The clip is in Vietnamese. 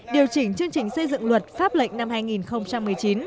điều chỉnh chương trình xây dựng luật pháp lệnh năm hai nghìn một mươi chín